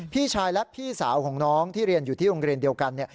พี่ชายและพี่สาวของน้องที่เรียนอยู่ที่โรงเรียนเดียวกัน